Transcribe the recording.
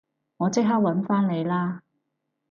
我即刻搵返你啦